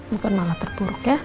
bukan malah terpuruk ya